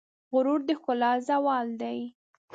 غرور د ښکلا زوال دی.